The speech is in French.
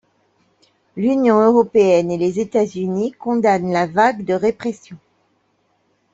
L'Union européenne et les États-Unis condamnent la vague de répression.